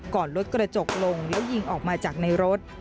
รถกระจกลงแล้วยิงออกมาจากในรถ